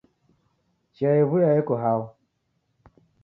Chia yew'uya yeko hao